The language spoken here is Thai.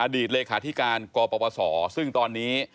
ตเลขาธิการกปศซึ่งตอนนี้